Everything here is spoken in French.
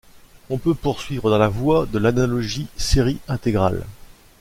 On peut poursuivre dans la voie de l'analogie série-intégrale.